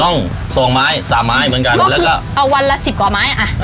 ห้องสองไม้สามไม้เหมือนกันแล้วก็เอาวันละสิบกว่าไม้อ่ะ